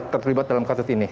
terlibat dalam kasus ini